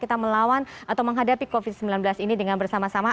kita melawan atau menghadapi covid sembilan belas ini dengan bersama sama